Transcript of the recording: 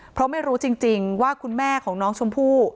เพราะไม่รู้จริงว่าคุณแม่ของน้องชมพู่